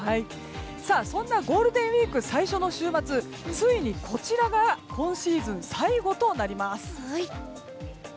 そんなゴールデンウィーク最初の週末ついにこちらが今シーズン最後となります。